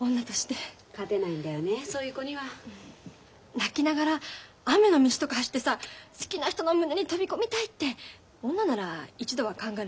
泣きながら雨の道とか走ってさ好きな人の胸に飛び込みたいって女なら一度は考えるじゃない？